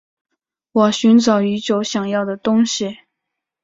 我寻找已久想要的东西